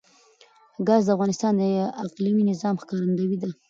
ګاز د افغانستان د اقلیمي نظام ښکارندوی ده.